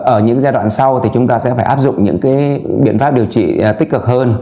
ở những giai đoạn sau thì chúng ta sẽ phải áp dụng những biện pháp điều trị tích cực hơn